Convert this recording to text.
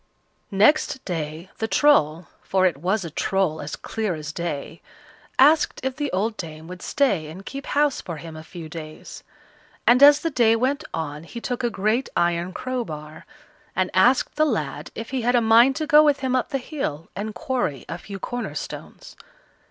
Next day the Troll for it was a Troll as clear as day asked if the old dame would stay and keep house for him a few days; and as the day went on he took a great iron crowbar, and asked the lad if he had a mind to go with him up the hill and quarry a few corner stones.